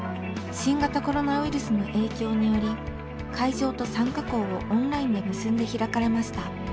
新型コロナウイルスの影響により会場と参加校をオンラインで結んで開かれました。